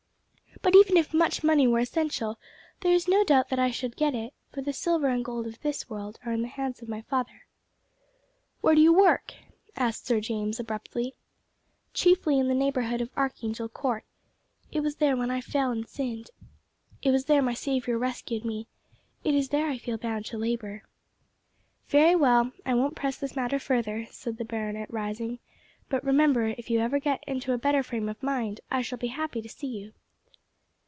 But even if much money were essential, there is no doubt that I should get it, for the silver and gold of this world are in the hands of my Father." "Where do you work?" asked Sir James abruptly. "Chiefly in the neighbourhood of Archangel Court. It was there I fell and sinned; it was there my Saviour rescued me: it is there I feel bound to labour." "Very well, I won't press this matter further," said the Baronet, rising; "but remember, if you ever get into a better frame of mind, I shall be happy to see you."